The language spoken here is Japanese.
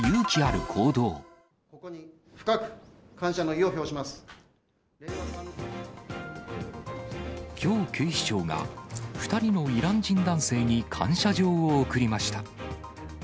ここに深く感謝の意を表しまきょう、警視庁が、２人のイラン人男性に感謝状を贈りました。